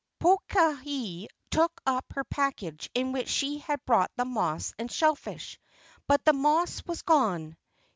Pokahi took up her package in which she had brought the moss and shell fish, but the moss was gone.